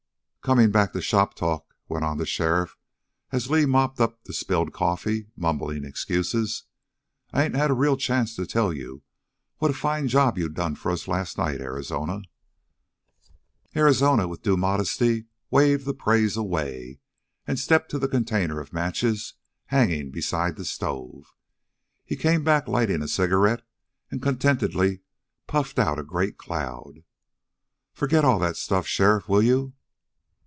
"Coming back to shop talk," went on the sheriff, as Li mopped up the spilled coffee, mumbling excuses, "I ain't had a real chance to tell you what a fine job you done for us last night, Arizona." Arizona, with due modesty, waved the praise away and stepped to the container of matches hanging beside the stove. He came back lighting a cigarette and contentedly puffed out a great cloud. "Forget all that, sheriff, will you?"